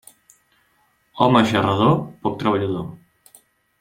Home xarrador, poc treballador.